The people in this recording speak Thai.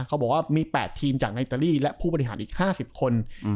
เขาบอกว่ามี๘ทีมจากในอิตาลีและผู้บริหารอีก๕๐คน